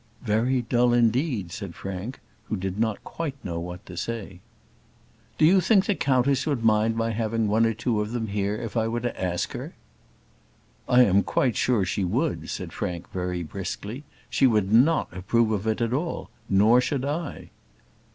"Very dull indeed," said Frank, who did not quite know what to say. "Do you think the countess would mind my having one or two of them here if I were to ask her?" "I am quite sure she would," said Frank, very briskly. "She would not approve of it at all; nor should I."